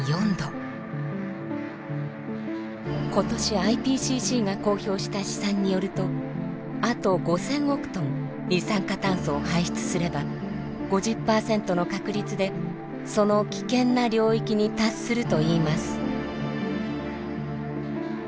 今年ＩＰＣＣが公表した試算によるとあと５，０００億トン二酸化炭素を排出すれば５０％の確率でその「危険な領域」に達するといいます。